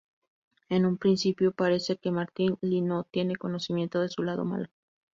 En un principio parece que Martin Li no tiene conocimiento de su lado malo.